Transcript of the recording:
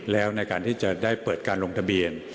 แล้วในการที่จะได้เปิดการลงทะเบียน